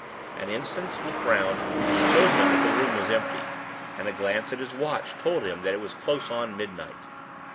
An instant's look round showed him that the room was empty, and a glance at his watch told him that it was close on midnight.